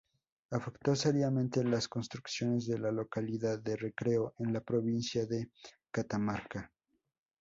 Afectó seriamente las construcciones de la localidad de Recreo, en la provincia de Catamarca.